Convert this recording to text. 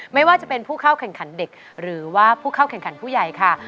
ไม่ว่าจะเป็นผู้เข้าแข่งขันเด็กหรือว่าผู้เข้าแข่งขันผู้ใหญ่ค่ะ